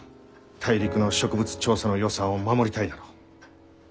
大陸の植物調査の予算を守りたいだろう？